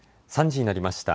３時になりました。